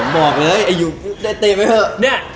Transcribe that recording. บอกเลยไอ่ยูได้เตะไว้เถอะ